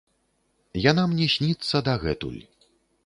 Яна мне сніцца дагэтуль.